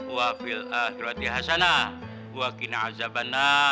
wa barokatan fil jasad